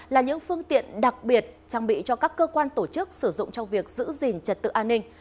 là những phương tiện đặc biệt trang bị cho các cơ quan tổ chức sử dụng trong việc giữ gìn trật tự an ninh